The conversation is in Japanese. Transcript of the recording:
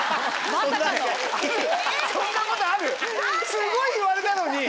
すごい言われたのに。